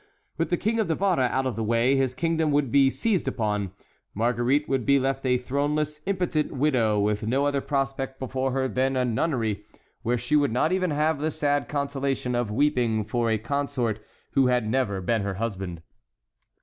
With the King of Navarre out of the way, his kingdom would be seized upon, Marguerite would be left a throneless, impotent widow with no other prospect before her than a nunnery, where she would not even have the sad consolation of weeping for a consort who had never been her husband.